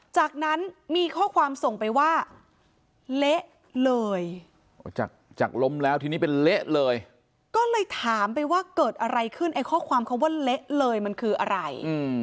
จากนั้นมีข้อความส่งไปว่าเละเลยจากล้มแล้วทีนี้เป็นเละเลยก็เลยถามไปว่าเกิดอะไรขึ้นไอ้ข้อความคำว่าเละเลยมันคืออะไร